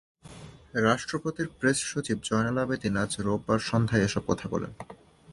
রাষ্ট্রপতির প্রেস সচিব জয়নাল আবেদীন আজ রোববার সন্ধ্যায় এসব কথা বলেন।